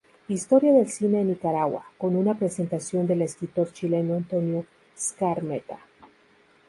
Historia del cine en Nicaragua", con una presentación del escritor chileno Antonio Skármeta.